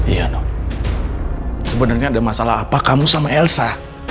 iya dong sebenarnya ada masalah apa kamu sama elsa